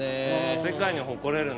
世界に誇れるね